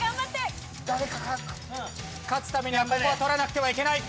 勝つためにはここは取らなくてはいけない。